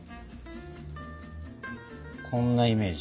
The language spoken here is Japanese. こんなイメージ。